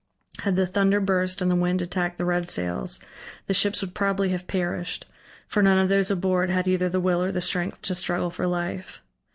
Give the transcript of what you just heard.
Had the thunder burst and the wind attacked the red sails, the ships would probably have perished, for none of those aboard had either the will or the strength to struggle for life.